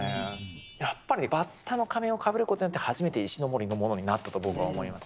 やっぱりバッタの仮面をかぶる事によって初めて石森のものになったと僕は思います。